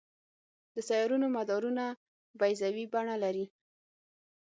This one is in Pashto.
د سیارونو مدارونه بیضوي بڼه لري.